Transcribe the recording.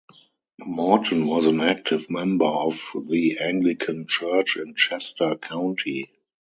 Morton was an active member of the Anglican Church in Chester County.